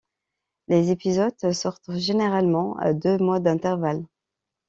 Les épisodes sortent généralement à deux mois d'intervalle.